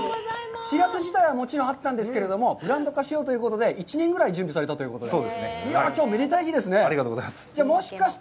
しらす自体はもちろん、あったんですけれども、ブランド化しようということで、１年ぐらい準備されたということで。